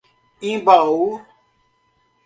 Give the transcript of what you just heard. Imbaú